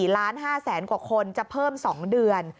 ๑๔ล้าน๕แสนกว่าคนจะเพิ่ม๒เดือน